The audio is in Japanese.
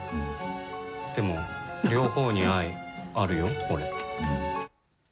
でも両方に愛あるよ、俺。